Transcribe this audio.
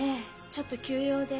ちょっと急用で。